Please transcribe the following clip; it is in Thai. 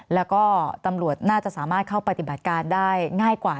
แล้วก็ตำรวจน่าจะสามารถเข้าปฏิบัติการได้ง่ายกว่า